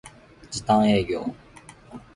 時短営業